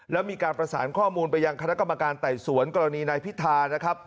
แล้วมีการประสานข้อมูลไปยังคณะกรรมการไต่สวนกรณีนายพิธานะครับ